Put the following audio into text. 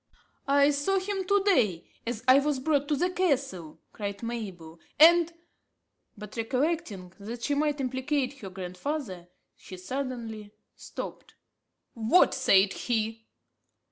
"I saw him to day, as I was brought to the castle," cried Mabel, "and " but recollecting that she might implicate her grandfather, she suddenly stopped. "What said he?